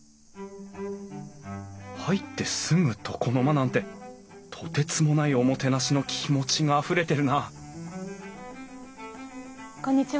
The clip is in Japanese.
入ってすぐ床の間なんてとてつもないおもてなしの気持ちがあふれてるなこんにちは。